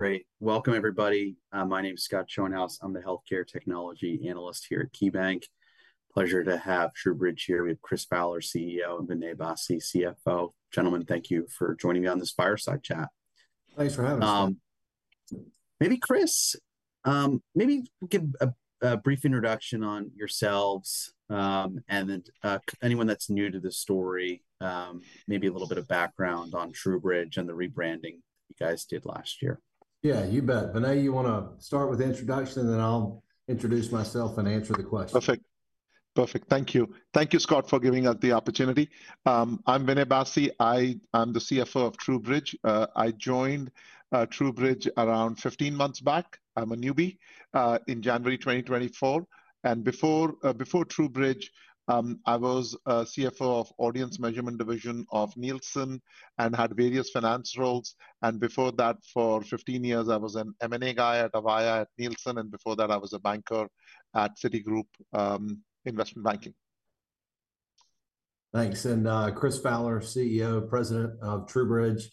Great. Welcome, everybody. My name is Scott Schoenhaus. I'm the Healthcare Technology Analyst here at KeyBanc. Pleasure to have TruBridge Inc here. We have Chris Fowler, CEO, and Vinay Bassi, CFO. Gentlemen, thank you for joining me on this fireside chat. Thanks for having us. Maybe, Chris, maybe give a brief introduction on yourselves and anyone that's new to the story, maybe a little bit of background on TruBridge and the rebranding you guys did last year. Yeah, you bet. Vinay, you want to start with the introduction, and then I'll introduce myself and answer the questions. Perfect. Perfect. Thank you. Thank you, Scott, for giving us the opportunity. I'm Vinay Bassi. I'm the CFO of TruBridge. I joined TruBridge around 15 months back. I'm a newbie in January 2024. Before TruBridge, I was CFO of the Audience Measurement Division of Nielsen and had various finance roles. Before that, for 15 years, I was an M&A guy at Avaya at Nielsen. Before that, I was a banker at Citigroup Investment Banking. Thanks. Chris Fowler, CEO, President of TruBridge.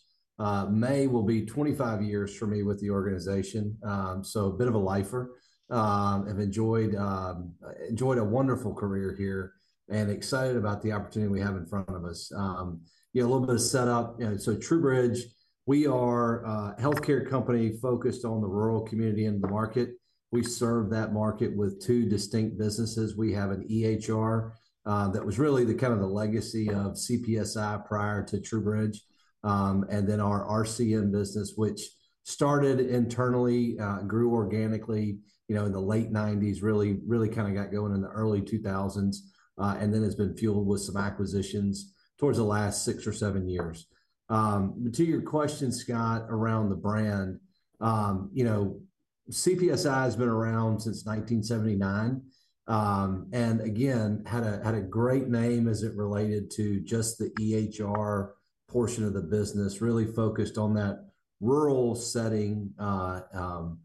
May will be 25 years for me with the organization. A bit of a lifer. I've enjoyed a wonderful career here and excited about the opportunity we have in front of us. A little bit of setup. TruBridge, we are a healthcare company focused on the rural community and the market. We serve that market with two distinct businesses. We have an EHR that was really the kind of the legacy of CPSI prior to TruBridge, and then our RCM business, which started internally, grew organically in the late 1990s, really kind of got going in the early 2000s, and then has been fueled with some acquisitions towards the last six or seven years. To your question, Scott, around the brand, CPSI has been around since 1979 and, again, had a great name as it related to just the EHR portion of the business, really focused on that rural setting from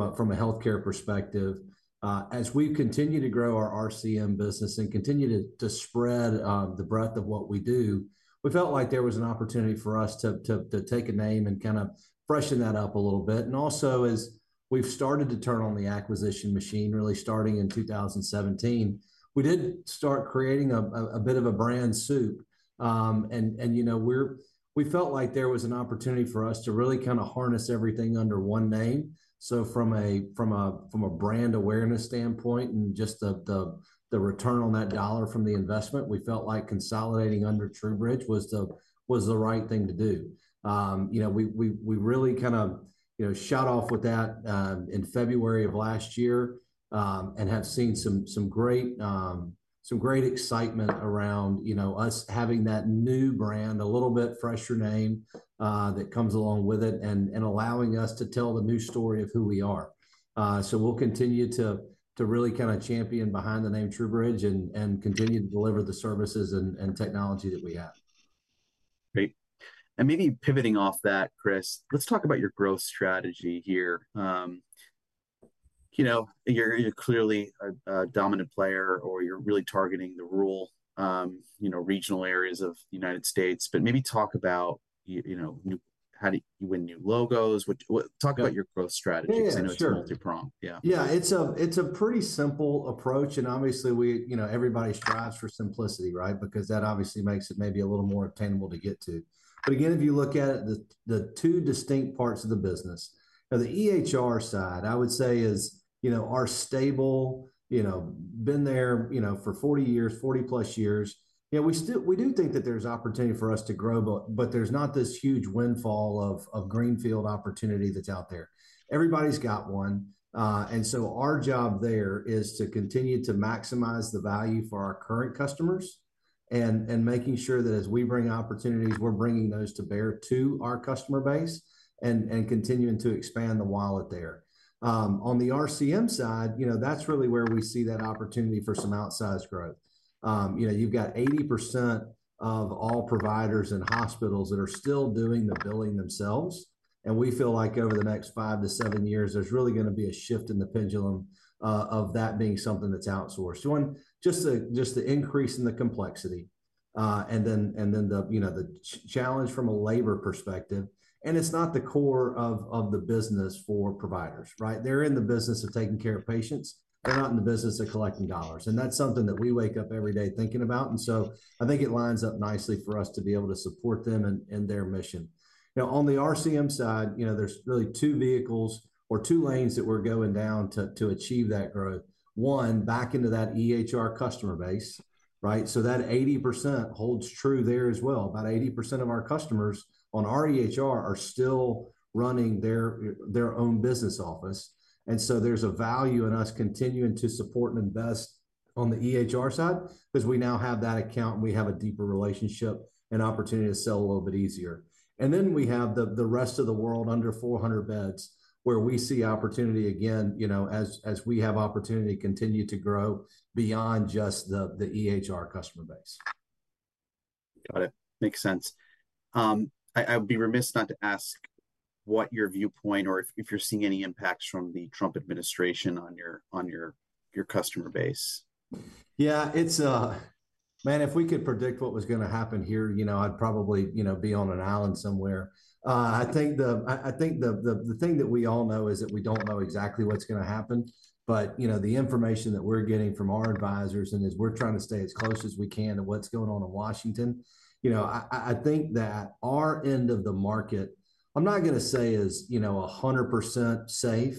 a healthcare perspective. As we continue to grow our RCM business and continue to spread the breadth of what we do, we felt like there was an opportunity for us to take a name and kind of freshen that up a little bit. Also, as we've started to turn on the acquisition machine, really starting in 2017, we did start creating a bit of a brand soup. We felt like there was an opportunity for us to really kind of harness everything under one name. From a brand awareness standpoint and just the return on that dollar from the investment, we felt like consolidating under TruBridge was the right thing to do. We really kind of shot off with that in February of last year and have seen some great excitement around us having that new brand, a little bit fresher name that comes along with it, and allowing us to tell the new story of who we are. We'll continue to really kind of champion behind the name TruBridge and continue to deliver the services and technology that we have. Great. Maybe pivoting off that, Chris, let's talk about your growth strategy here. You're clearly a dominant player, or you're really targeting the rural regional areas of the United States. Maybe talk about how you win new logos. Talk about your growth strategy. Sure. Because I know it's multi-pronged. Yeah. It's a pretty simple approach. Obviously, everybody strives for simplicity, right? Because that obviously makes it maybe a little more attainable to get to. Again, if you look at the two distinct parts of the business, the EHR side, I would say, is our stable, been there for 40 years, 40-plus years. We do think that there's opportunity for us to grow, but there's not this huge windfall of greenfield opportunity that's out there. Everybody's got one. Our job there is to continue to maximize the value for our current customers and making sure that as we bring opportunities, we're bringing those to bear to our customer base and continuing to expand the wallet there. On the RCM side, that's really where we see that opportunity for some outsized growth. You've got 80% of all providers and hospitals that are still doing the billing themselves. We feel like over the next five to seven years, there's really going to be a shift in the pendulum of that being something that's outsourced. Just the increase in the complexity and then the challenge from a labor perspective. It's not the core of the business for providers, right? They're in the business of taking care of patients. They're not in the business of collecting dollars. That's something that we wake up every day thinking about. I think it lines up nicely for us to be able to support them in their mission. Now, on the RCM side, there's really two vehicles or two lanes that we're going down to achieve that growth. One, back into that EHR customer base, right? That 80% holds true there as well. About 80% of our customers on our EHR are still running their own business office. There is a value in us continuing to support and invest on the EHR side because we now have that account and we have a deeper relationship and opportunity to sell a little bit easier. We have the rest of the world under 400 beds where we see opportunity, again, as we have opportunity to continue to grow beyond just the EHR customer base. Got it. Makes sense. I would be remiss not to ask what your viewpoint or if you're seeing any impacts from the Trump administration on your customer base. Yeah. Man, if we could predict what was going to happen here, I'd probably be on an island somewhere. I think the thing that we all know is that we don't know exactly what's going to happen. The information that we're getting from our advisors and as we're trying to stay as close as we can to what's going on in Washington, I think that our end of the market, I'm not going to say is 100% safe.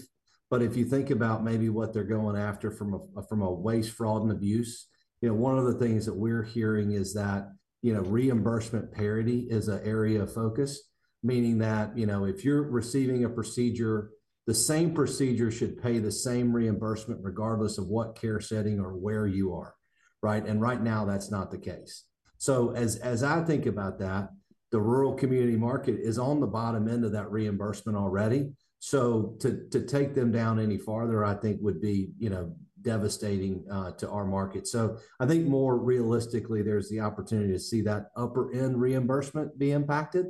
If you think about maybe what they're going after from a waste, fraud, and abuse, one of the things that we're hearing is that reimbursement parity is an area of focus, meaning that if you're receiving a procedure, the same procedure should pay the same reimbursement regardless of what care setting or where you are, right? Right now, that's not the case. As I think about that, the rural community market is on the bottom end of that reimbursement already. To take them down any farther, I think, would be devastating to our market. I think more realistically, there's the opportunity to see that upper-end reimbursement be impacted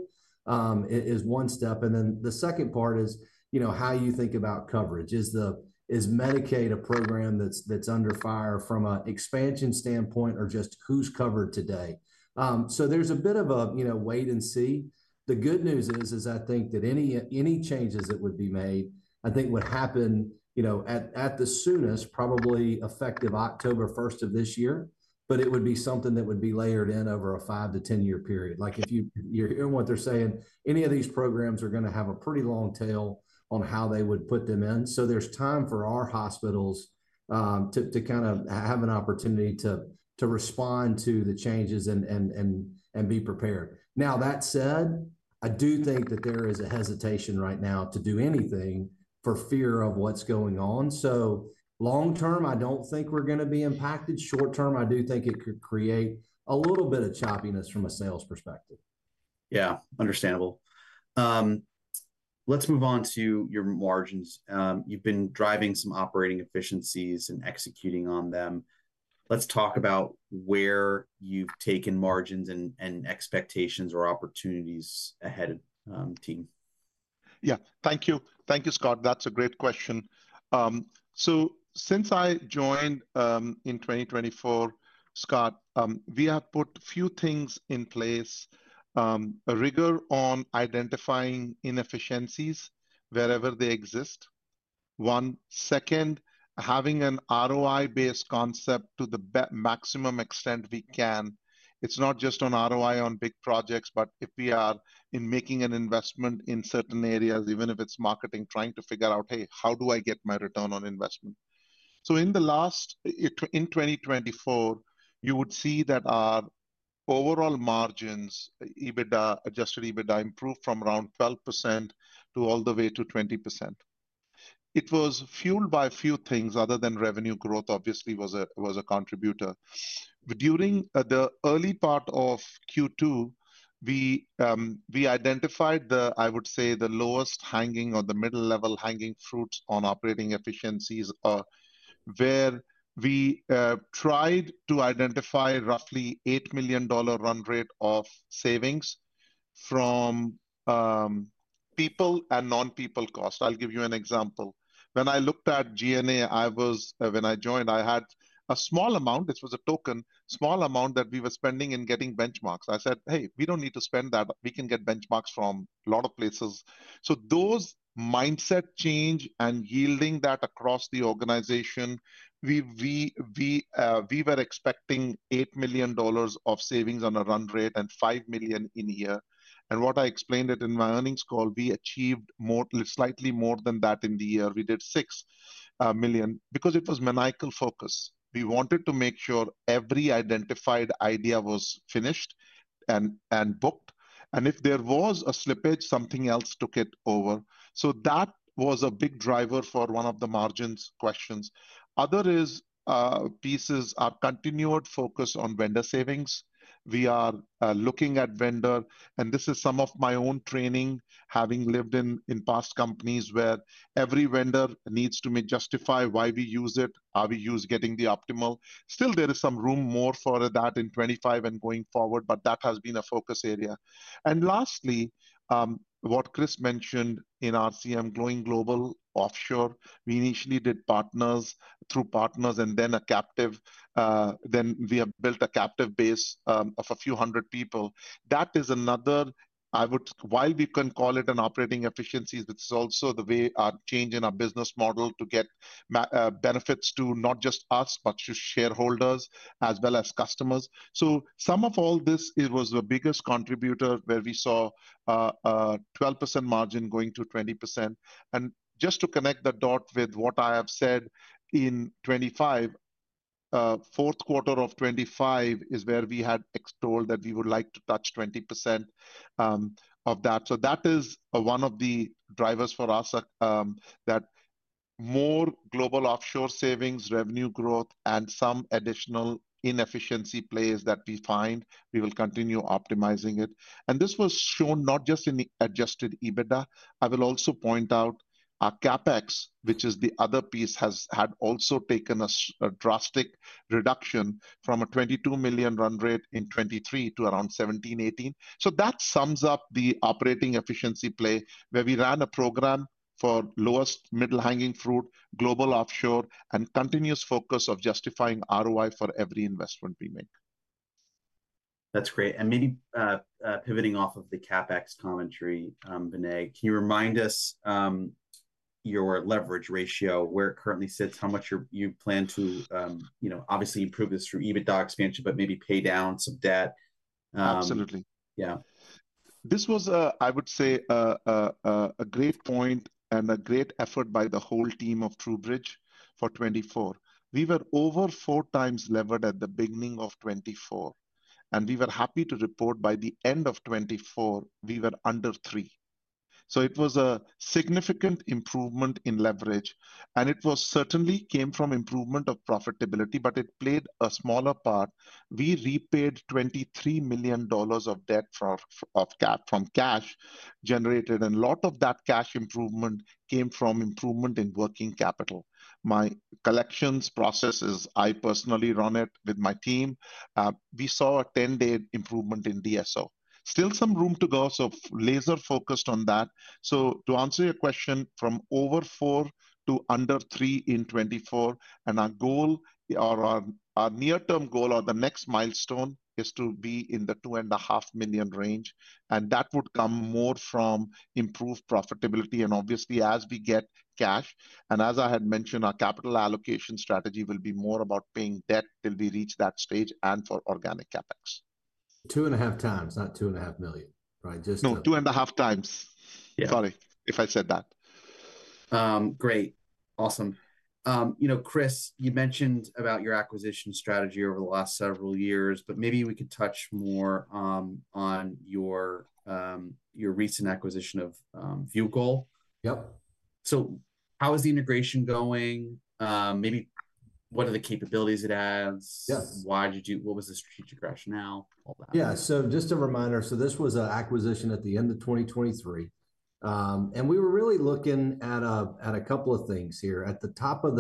is one step. The second part is how you think about coverage. Is Medicaid a program that's under fire from an expansion standpoint or just who's covered today? There's a bit of a wait and see. The good news is, I think, that any changes that would be made, I think, would happen at the soonest, probably effective October 1 of this year. It would be something that would be layered in over a 5-10 year period. If you're hearing what they're saying, any of these programs are going to have a pretty long tail on how they would put them in. There is time for our hospitals to kind of have an opportunity to respond to the changes and be prepared. That said, I do think that there is a hesitation right now to do anything for fear of what's going on. Long-term, I don't think we're going to be impacted. Short-term, I do think it could create a little bit of choppiness from a sales perspective. Yeah. Understandable. Let's move on to your margins. You've been driving some operating efficiencies and executing on them. Let's talk about where you've taken margins and expectations or opportunities ahead, team. Yeah. Thank you. Thank you, Scott. That's a great question. Since I joined in 2024, Scott, we have put a few things in place: rigor on identifying inefficiencies wherever they exist. One. Second, having an ROI-based concept to the maximum extent we can. It's not just on ROI on big projects, but if we are in making an investment in certain areas, even if it's marketing, trying to figure out, "Hey, how do I get my return on investment?" In 2024, you would see that our overall margins, EBITDA, adjusted EBITDA, improved from around 12% to all the way to 20%. It was fueled by a few things other than revenue growth, obviously, was a contributor. During the early part of Q2, we identified, I would say, the lowest hanging or the middle-level hanging fruits on operating efficiencies, where we tried to identify roughly $8 million run rate of savings from people and non-people costs. I'll give you an example. When I looked at G&A, when I joined, I had a small amount. This was a token, small amount that we were spending in getting benchmarks. I said, "Hey, we don't need to spend that. We can get benchmarks from a lot of places." Those mindset change and yielding that across the organization, we were expecting $8 million of savings on a run rate and $5 million in a year. What I explained in my earnings call, we achieved slightly more than that in the year. We did $6 million because it was maniacal focus. We wanted to make sure every identified idea was finished and booked. If there was a slippage, something else took it over. That was a big driver for one of the margins questions. Other pieces are continued focus on vendor savings. We are looking at vendor. This is some of my own training, having lived in past companies where every vendor needs to justify why we use it, how we use getting the optimal. Still, there is some room more for that in 2025 and going forward, but that has been a focus area. Lastly, what Chris mentioned in RCM, growing global offshore. We initially did partners through partners, and then we have built a captive base of a few hundred people. That is another, I would, while we can call it an operating efficiency, this is also the way our change in our business model to get benefits to not just us, but to shareholders as well as customers. Some of all this was the biggest contributor where we saw a 12% margin going to 20%. Just to connect the dot with what I have said in 2025, fourth quarter of 2025 is where we had told that we would like to touch 20% of that. That is one of the drivers for us that more global offshore savings, revenue growth, and some additional inefficiency plays that we find, we will continue optimizing it. This was shown not just in the adjusted EBITDA. I will also point out our CapEx, which is the other piece, has also taken a drastic reduction from a $22 million run rate in 2023 to around $17-$18 million. That sums up the operating efficiency play where we ran a program for lowest middle-hanging fruit, global offshore, and continuous focus of justifying ROI for every investment we make. That's great. Maybe pivoting off of the CapEx commentary, Vinay, can you remind us your leverage ratio, where it currently sits, how much you plan to obviously improve this through EBITDA expansion, but maybe pay down some debt? Absolutely. Yeah. This was, I would say, a great point and a great effort by the whole team of TruBridge for 2024. We were over four times levered at the beginning of 2024. We were happy to report by the end of 2024, we were under three. It was a significant improvement in leverage. It certainly came from improvement of profitability, but it played a smaller part. We repaid $23 million of debt from cash generated. A lot of that cash improvement came from improvement in working capital. My collections processes, I personally run it with my team. We saw a 10-day improvement in DSO. Still some room to go, so laser-focused on that. To answer your question, from over four to under three in 2024, and our goal, or our near-term goal, or the next milestone is to be in the $2.5 million range. That would come more from improved profitability and obviously as we get cash. As I had mentioned, our capital allocation strategy will be more about paying debt till we reach that stage and for organic CapEx. Two and a half times, not $2.5 million, right? Just. No, two and a half times. Sorry if I said that. Great. Awesome. Chris, you mentioned about your acquisition strategy over the last several years, but maybe we could touch more on your recent acquisition of Viewgol. Yep. How is the integration going? Maybe what are the capabilities it has? Why did you do what was the strategic rationale? All that. Yeah. Just a reminder, this was an acquisition at the end of 2023. We were really looking at a couple of things here. At the top of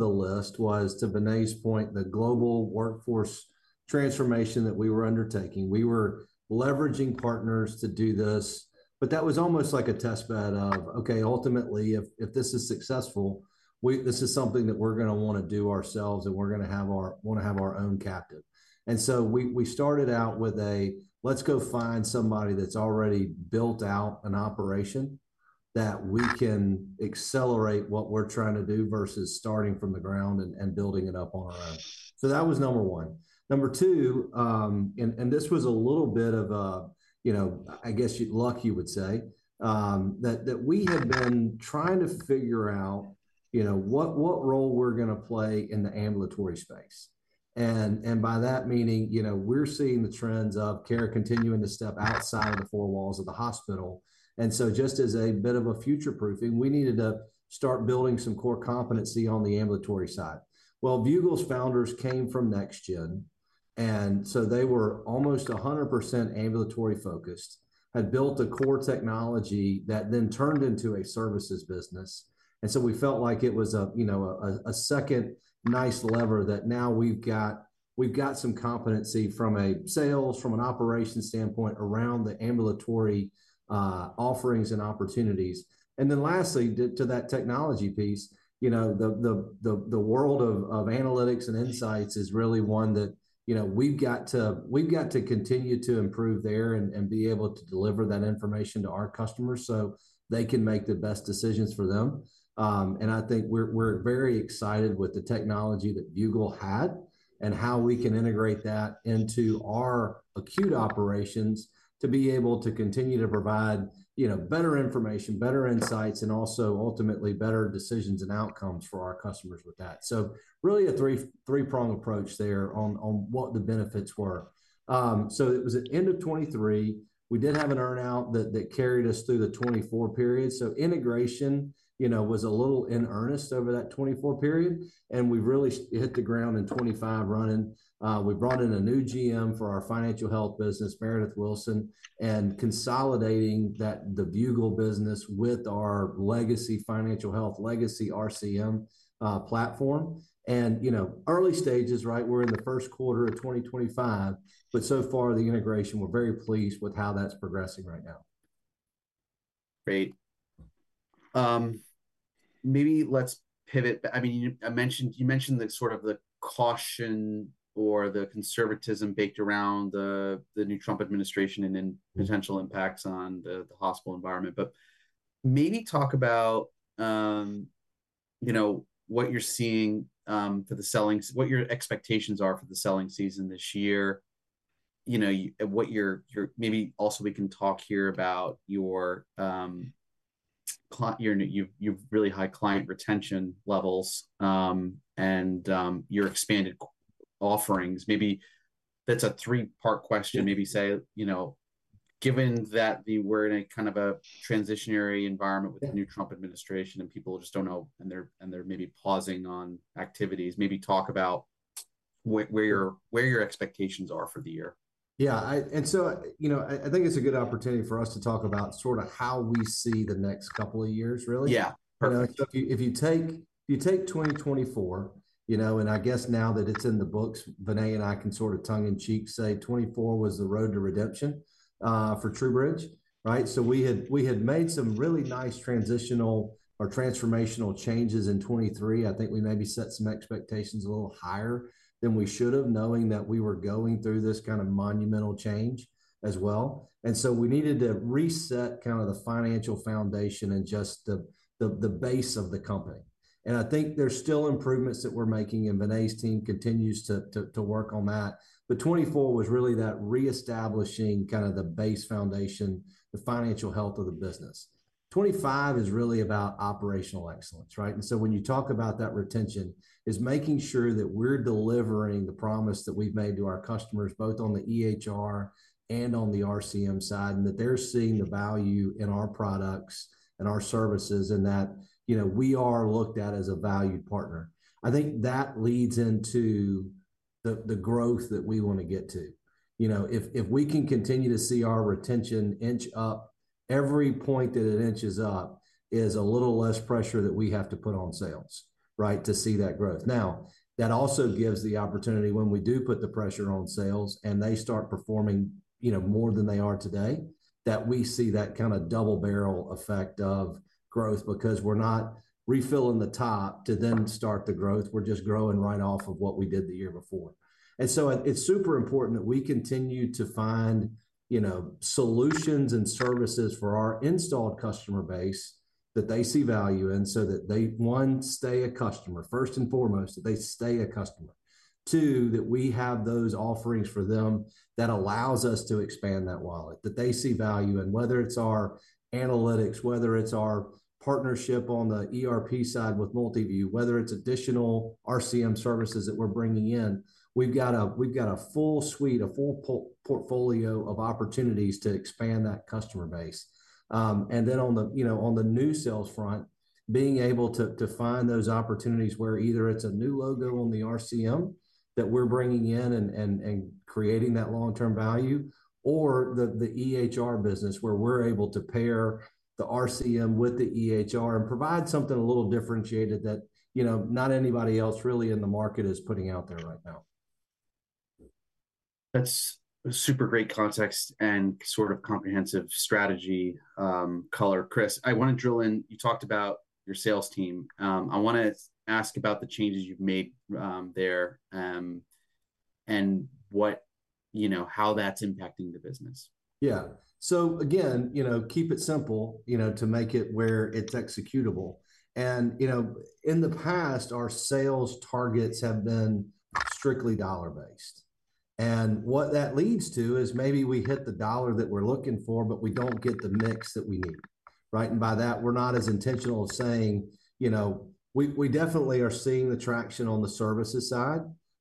the list was, to Vinay's point, the global workforce transformation that we were undertaking. We were leveraging partners to do this, but that was almost like a testbed of, "Okay, ultimately, if this is successful, this is something that we're going to want to do ourselves and we're going to want to have our own captive." We started out with a, "Let's go find somebody that's already built out an operation that we can accelerate what we're trying to do versus starting from the ground and building it up on our own." That was number one. Number two, and this was a little bit of, I guess, luck, you would say, that we had been trying to figure out what role we're going to play in the ambulatory space. By that meaning, we're seeing the trends of care continuing to step outside of the four walls of the hospital. Just as a bit of a future-proofing, we needed to start building some core competency on the ambulatory side. Viewgol's founders came from NextGen. They were almost 100% ambulatory-focused, had built a core technology that then turned into a services business. We felt like it was a second nice lever that now we've got some competency from a sales, from an operations standpoint around the ambulatory offerings and opportunities. Lastly, to that technology piece, the world of analytics and insights is really one that we've got to continue to improve there and be able to deliver that information to our customers so they can make the best decisions for them. I think we're very excited with the technology that Viewgol had and how we can integrate that into our acute operations to be able to continue to provide better information, better insights, and also ultimately better decisions and outcomes for our customers with that. Really a three-prong approach there on what the benefits were. It was the end of 2023. We did have an earnout that carried us through the 2024 period. Integration was a little in earnest over that 2024 period. We really hit the ground in 2025 running. We brought in a new GM for our financial health business, Meredith Wilson, and consolidating the ViewGol business with our legacy financial health, legacy RCM platform. Early stages, right? We're in the first quarter of 2025, but so far the integration, we're very pleased with how that's progressing right now. Great. Maybe let's pivot. I mean, you mentioned sort of the caution or the conservatism baked around the new Trump administration and then potential impacts on the hospital environment. Maybe talk about what you're seeing for the selling, what your expectations are for the selling season this year, what you're maybe also we can talk here about your really high client retention levels and your expanded offerings. Maybe that's a three-part question. Maybe say, given that we're in a kind of a transitionary environment with the new Trump administration and people just don't know, and they're maybe pausing on activities, maybe talk about where your expectations are for the year. Yeah. I think it's a good opportunity for us to talk about sort of how we see the next couple of years, really. Yeah. Perfect. If you take 2024, and I guess now that it's in the books, Vinay and I can sort of tongue-in-cheek say '24 was the road to redemption for TruBridge, right? We had made some really nice transitional or transformational changes in 2023. I think we maybe set some expectations a little higher than we should have, knowing that we were going through this kind of monumental change as well. We needed to reset kind of the financial foundation and just the base of the company. I think there's still improvements that we're making, and Vinay's team continues to work on that. '24 was really that reestablishing kind of the base foundation, the financial health of the business. '25 is really about operational excellence, right? When you talk about that retention, it's making sure that we're delivering the promise that we've made to our customers, both on the EHR and on the RCM side, and that they're seeing the value in our products and our services and that we are looked at as a valued partner. I think that leads into the growth that we want to get to. If we can continue to see our retention inch up, every point that it inches up is a little less pressure that we have to put on sales, right, to see that growth. That also gives the opportunity when we do put the pressure on sales and they start performing more than they are today, that we see that kind of double-barrel effect of growth because we're not refilling the top to then start the growth. We're just growing right off of what we did the year before. It is super important that we continue to find solutions and services for our installed customer base that they see value in so that they, one, stay a customer, first and foremost, that they stay a customer. Two, that we have those offerings for them that allows us to expand that wallet, that they see value in, whether it's our analytics, whether it's our partnership on the ERP side with Multiview, whether it's additional RCM services that we're bringing in, we've got a full suite, a full portfolio of opportunities to expand that customer base. On the new sales front, being able to find those opportunities where either it's a new logo on the RCM that we're bringing in and creating that long-term value, or the EHR business where we're able to pair the RCM with the EHR and provide something a little differentiated that not anybody else really in the market is putting out there right now. That's a super great context and sort of comprehensive strategy color. Chris, I want to drill in. You talked about your sales team. I want to ask about the changes you've made there and how that's impacting the business. Yeah. Again, keep it simple to make it where it's executable. In the past, our sales targets have been strictly dollar-based. What that leads to is maybe we hit the dollar that we're looking for, but we don't get the mix that we need, right? By that, we're not as intentional as saying we definitely are seeing the traction on the services side,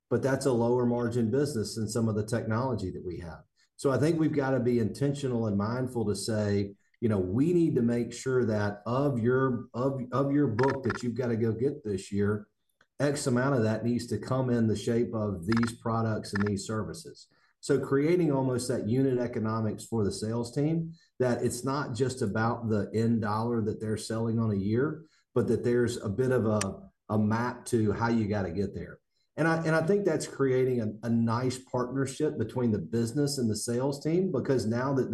but that's a lower-margin business in some of the technology that we have. I think we've got to be intentional and mindful to say, "We need to make sure that of your book that you've got to go get this year, X amount of that needs to come in the shape of these products and these services." Creating almost that unit economics for the sales team, that it's not just about the end dollar that they're selling on a year, but that there's a bit of a map to how you got to get there. I think that's creating a nice partnership between the business and the sales team because now that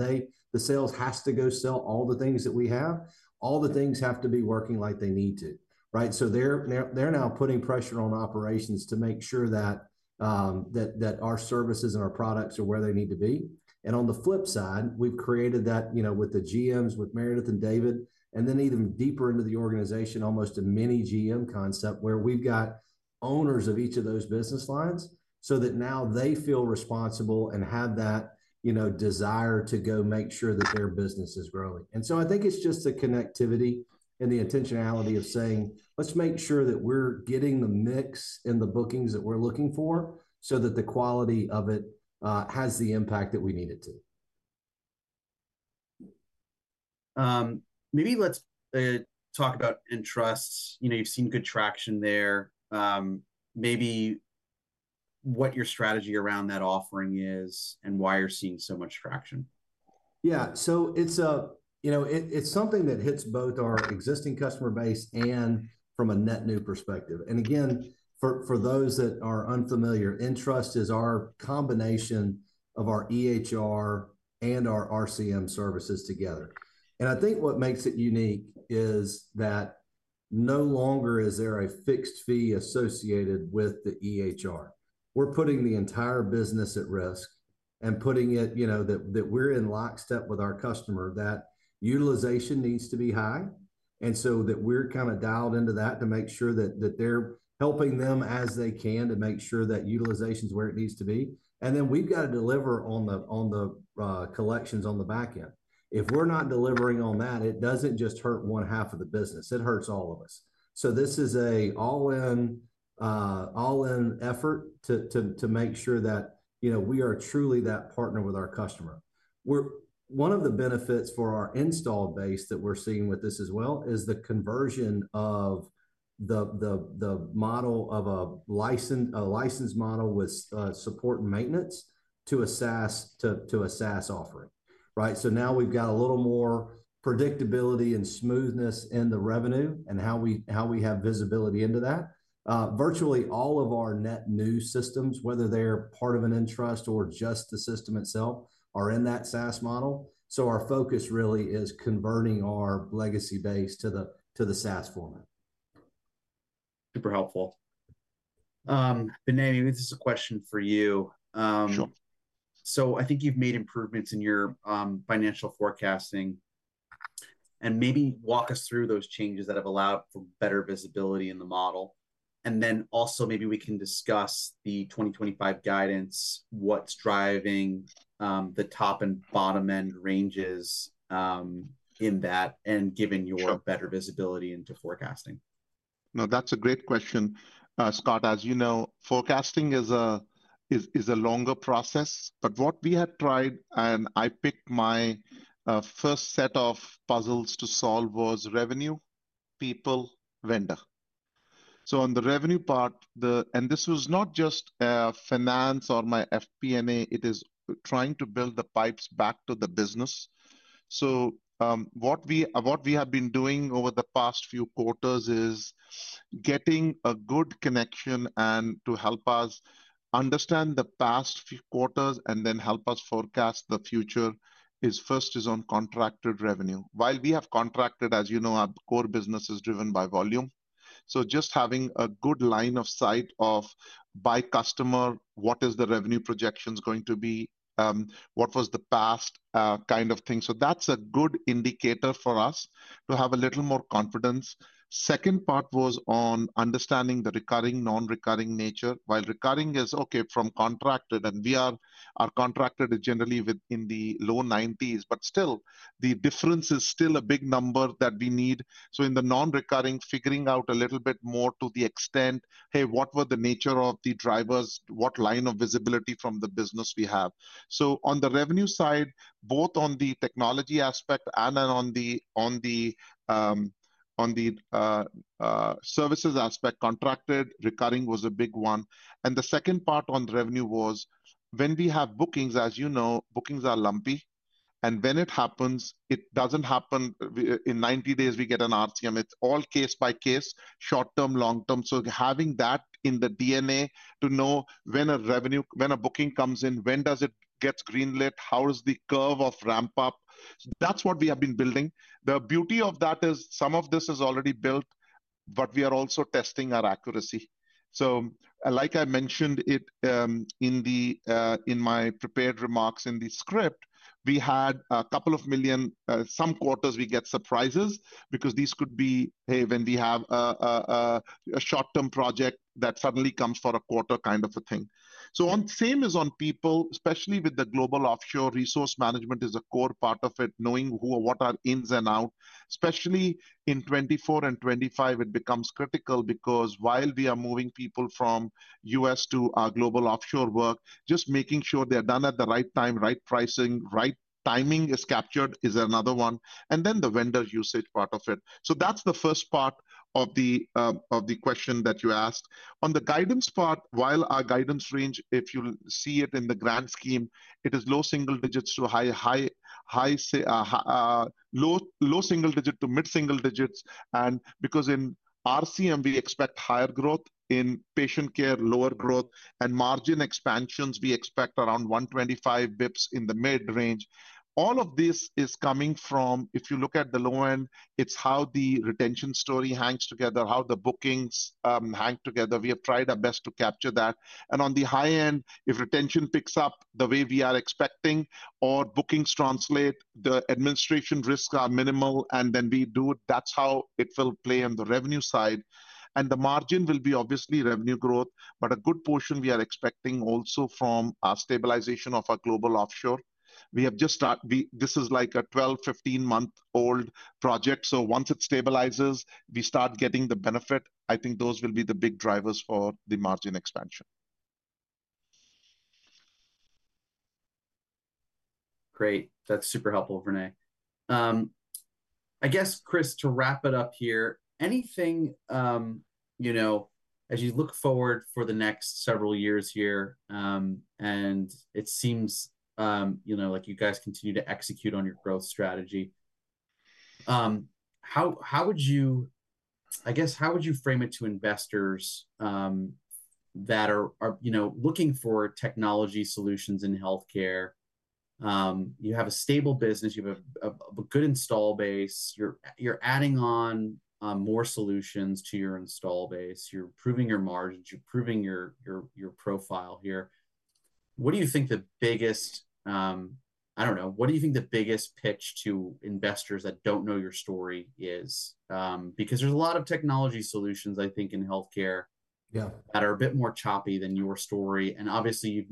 the sales has to go sell all the things that we have, all the things have to be working like they need to, right? They're now putting pressure on operations to make sure that our services and our products are where they need to be. On the flip side, we've created that with the GMs, with Meredith and David, and then even deeper into the organization, almost a mini GM concept where we've got owners of each of those business lines so that now they feel responsible and have that desire to go make sure that their business is growing. I think it's just the connectivity and the intentionality of saying, "Let's make sure that we're getting the mix in the bookings that we're looking for so that the quality of it has the impact that we need it to. Maybe let's talk about nTrust. You've seen good traction there. Maybe what your strategy around that offering is and why you're seeing so much traction. Yeah. It is something that hits both our existing customer base and from a net new perspective. Again, for those that are unfamiliar, nTrust is our combination of our EHR and our RCM services together. I think what makes it unique is that no longer is there a fixed fee associated with the EHR. We are putting the entire business at risk and putting it that we are in lockstep with our customer, that utilization needs to be high, and so that we are kind of dialed into that to make sure that they are helping them as they can to make sure that utilization is where it needs to be. We have to deliver on the collections on the back end. If we are not delivering on that, it does not just hurt one half of the business. It hurts all of us. This is an all-in effort to make sure that we are truly that partner with our customer. One of the benefits for our installed base that we're seeing with this as well is the conversion of the model of a licensed model with support and maintenance to a SaaS offering, right? Now we've got a little more predictability and smoothness in the revenue and how we have visibility into that. Virtually all of our net new systems, whether they're part of an nTrust or just the system itself, are in that SaaS model. Our focus really is converting our legacy base to the SaaS format. Super helpful. Vinay, maybe this is a question for you. Sure. I think you've made improvements in your financial forecasting. Maybe walk us through those changes that have allowed for better visibility in the model. Also, maybe we can discuss the 2025 guidance, what's driving the top and bottom-end ranges in that and giving your better visibility into forecasting. No, that's a great question, Scott. As you know, forecasting is a longer process. What we had tried, and I picked my first set of puzzles to solve, was revenue, people, vendor. On the revenue part, and this was not just finance or my FP&A, it is trying to build the pipes back to the business. What we have been doing over the past few quarters is getting a good connection and to help us understand the past few quarters and then help us forecast the future. First is on contracted revenue. While we have contracted, as you know, our core business is driven by volume. Just having a good line of sight of by customer, what is the revenue projection going to be? What was the past kind of thing? That's a good indicator for us to have a little more confidence. Second part was on understanding the recurring, non-recurring nature. While recurring is okay from contracted, and our contracted is generally within the low 90s, but still, the difference is still a big number that we need. In the non-recurring, figuring out a little bit more to the extent, hey, what were the nature of the drivers? What line of visibility from the business we have? On the revenue side, both on the technology aspect and on the services aspect, contracted, recurring was a big one. The second part on revenue was when we have bookings, as you know, bookings are lumpy. When it happens, it does not happen in 90 days, we get an RCM. It is all case by case, short term, long term. Having that in the DNA to know when a revenue, when a booking comes in, when does it get greenlit, how is the curve of ramp up? That is what we have been building. The beauty of that is some of this is already built, but we are also testing our accuracy. Like I mentioned in my prepared remarks in the script, we had a couple of million, some quarters we get surprises because these could be, hey, when we have a short-term project that suddenly comes for a quarter kind of a thing. Same is on people, especially with the global offshore resource management is a core part of it, knowing what are ins and out. Especially in 2024 and 2025, it becomes critical because while we are moving people from US to our global offshore work, just making sure they're done at the right time, right pricing, right timing is captured is another one. The vendor usage part of it. That is the first part of the question that you asked. On the guidance part, while our guidance range, if you see it in the grand scheme, it is low single digits to mid single digits. In RCM, we expect higher growth. In patient care, lower growth. Margin expansions, we expect around 125 basis points in the mid range. All of this is coming from, if you look at the low end, it is how the retention story hangs together, how the bookings hang together. We have tried our best to capture that. On the high end, if retention picks up the way we are expecting or bookings translate, the administration risks are minimal, and then we do it. That is how it will play on the revenue side. The margin will be obviously revenue growth, but a good portion we are expecting also from our stabilization of our global offshore. We have just started, this is like a 12-15-month-old project. Once it stabilizes, we start getting the benefit. I think those will be the big drivers for the margin expansion. Great. That's super helpful, Vinay. I guess, Chris, to wrap it up here, anything as you look forward for the next several years here, and it seems like you guys continue to execute on your growth strategy, how would you, I guess, how would you frame it to investors that are looking for technology solutions in healthcare? You have a stable business. You have a good install base. You're adding on more solutions to your install base. You're improving your margins. You're improving your profile here. What do you think the biggest, I don't know, what do you think the biggest pitch to investors that don't know your story is? Because there's a lot of technology solutions, I think, in healthcare that are a bit more choppy than your story. Obviously,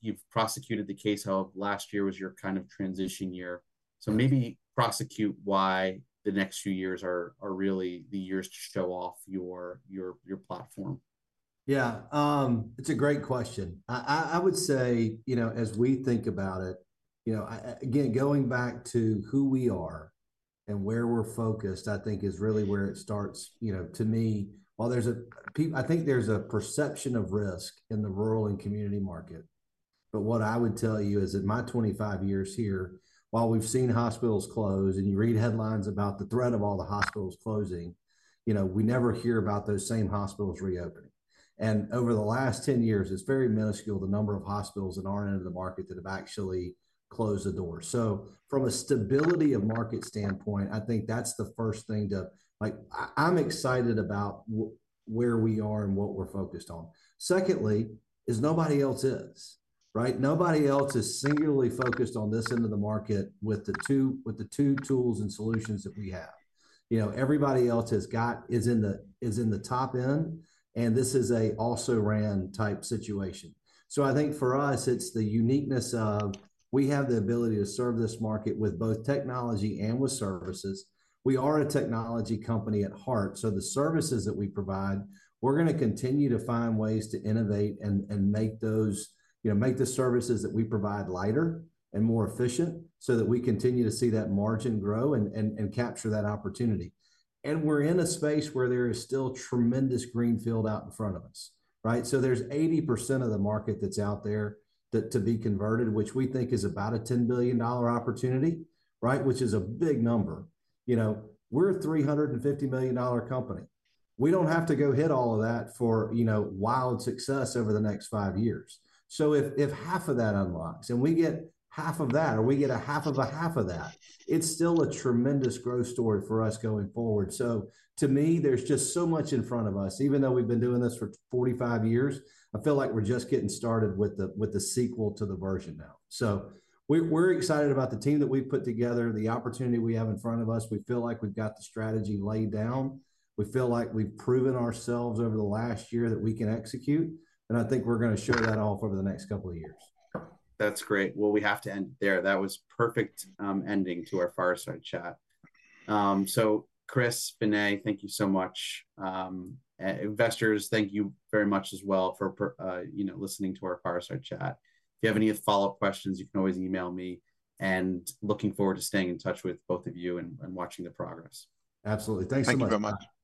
you've prosecuted the case of last year was your kind of transition year. Maybe prosecute why the next few years are really the years to show off your platform. Yeah. It's a great question. I would say, as we think about it, again, going back to who we are and where we're focused, I think is really where it starts. To me, while there's a, I think there's a perception of risk in the rural and community market. What I would tell you is in my 25 years here, while we've seen hospitals close and you read headlines about the threat of all the hospitals closing, we never hear about those same hospitals reopening. Over the last 10 years, it's very minuscule the number of hospitals that aren't in the market that have actually closed the door. From a stability of market standpoint, I think that's the first thing to, I'm excited about where we are and what we're focused on. Secondly, is nobody else's, right? Nobody else is singularly focused on this end of the market with the two tools and solutions that we have. Everybody else is in the top end, and this is an also-ran type situation. I think for us, it's the uniqueness of we have the ability to serve this market with both technology and with services. We are a technology company at heart. The services that we provide, we're going to continue to find ways to innovate and make the services that we provide lighter and more efficient so that we continue to see that margin grow and capture that opportunity. We're in a space where there is still tremendous greenfield out in front of us, right? There's 80% of the market that's out there to be converted, which we think is about a $10 billion opportunity, right? Which is a big number. We're a $350 million company. We don't have to go hit all of that for wild success over the next five years. If half of that unlocks and we get half of that, or we get a half of a half of that, it's still a tremendous growth story for us going forward. To me, there's just so much in front of us. Even though we've been doing this for 45 years, I feel like we're just getting started with the sequel to the version now. We're excited about the team that we've put together, the opportunity we have in front of us. We feel like we've got the strategy laid down. We feel like we've proven ourselves over the last year that we can execute. I think we're going to show that off over the next couple of years. That's great. We have to end there. That was a perfect ending to our Fireside Chat. Chris, Vinay, thank you so much. Investors, thank you very much as well for listening to our Fireside Chat. If you have any follow-up questions, you can always email me. I am looking forward to staying in touch with both of you and watching the progress. Absolutely. Thanks so much. Thank you very much. Bye-bye.